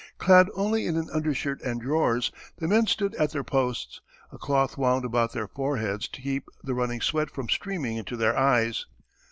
Clad only in an undershirt and drawers, the men stood at their posts, a cloth wound about their foreheads to keep the running sweat from streaming into their eyes.